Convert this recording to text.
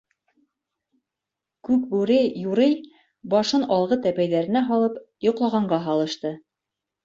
- Күкбүре юрый, башын алғы тәпәйҙәренә һалып, йоҡлағанға һалышты.